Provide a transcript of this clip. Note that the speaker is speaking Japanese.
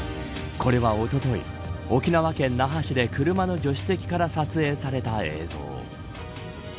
これは、おととい沖縄県那覇市で車の助手席から撮影された映像。